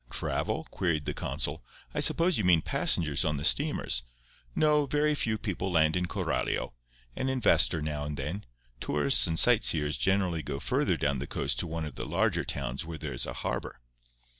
"Travel?" queried the consul. "I suppose you mean passengers on the steamers. No; very few people land in Coralio. An investor now and then—tourists and sight seers generally go further down the coast to one of the larger towns where there is a harbour."